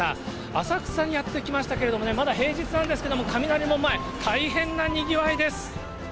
浅草にやって来ましたけどね、まだ平日なんですけども、雷門前、大変なにぎわいです。